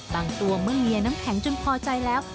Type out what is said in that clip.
ตัวเมื่อเมียน้ำแข็งจนพอใจแล้ว